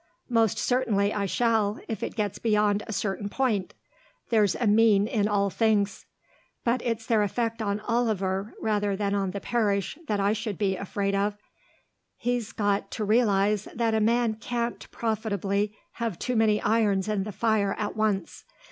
"Most certainly I shall, if it gets beyond a certain point. There's a mean in all things.... But it's their effect on Oliver rather than on the parish that I should be afraid of. He's got to realise that a man can't profitably have too many irons in the fire at once.